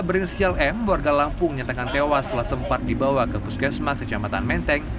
berinisial m warga lampung nyatakan tewas setelah sempat dibawa ke puskesmas kecamatan menteng